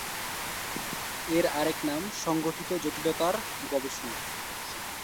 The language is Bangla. এর আরেক নাম সংগঠিত জটিলতার গবেষণা।